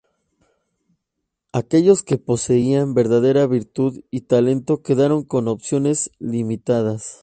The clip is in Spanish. Aquellos que poseían verdadera virtud y talento quedaron con opciones limitadas.